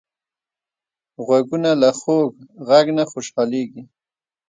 غوږونه له خوږ غږ نه خوشحالېږي